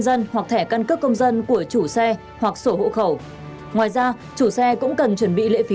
dân hoặc thẻ căn cước công dân của chủ xe hoặc sổ hộ khẩu ngoài ra chủ xe cũng cần chuẩn bị lễ phí